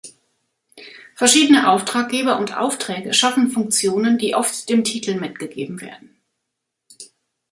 Verschiedene Auftraggeber und Aufträge schaffen Funktionen, die oft dem Titel mitgegeben werden.